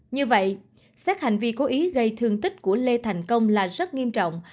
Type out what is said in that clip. như vậy xét hành vi cố ý gây thương tích của lê thành công là rất nghiêm trọng